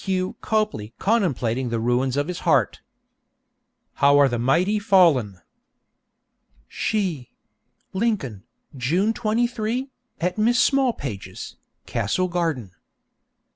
Q. Copley contemplating the ruins of his heart. 'How are the mighty fallen!' She Lincoln, June 23, At Miss Smallpage's, Castle Garden.